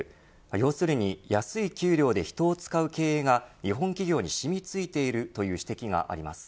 要するに安い給料で人を使う経営が日本企業に染み付いているという指摘があります。